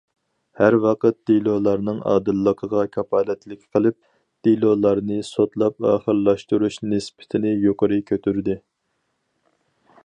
ھەر ۋاقىت دېلولارنىڭ ئادىللىقىغا كاپالەتلىك قىلىپ، دېلولارنى سوتلاپ ئاخىرلاشتۇرۇش نىسبىتىنى يۇقىرى كۆتۈردى.